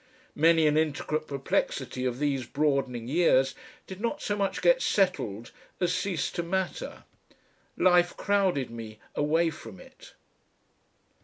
Many an intricate perplexity of these broadening years did not so much get settled as cease to matter. Life crowded me away from it.